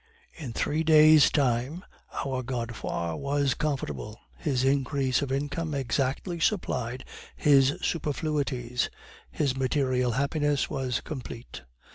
"In three days' time our Godefroid was comfortable. His increase of income exactly supplied his superfluities; his material happiness was complete.